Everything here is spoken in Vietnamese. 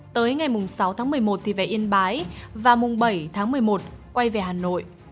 tới ngày sáu tháng một mươi một thì về yên bái và mùng bảy tháng một mươi một quay về hà nội